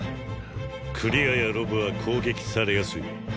クリアやロブは攻撃されやすい。